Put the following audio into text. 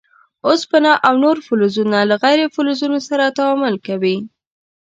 اوسپنه او نور فلزونه له غیر فلزونو سره تعامل کوي.